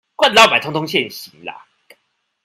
慣老闆通通現形啦